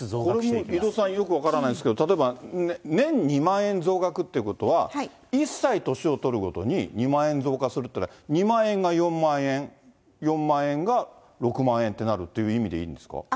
これ、もう井戸さん、よく分からないですけれども、例えば、年２万円増額ということは、１歳年を取るごとに２万円増加するっていうのは、２万円が４万円、４万円が６万円になるっていう意味でいいんですか？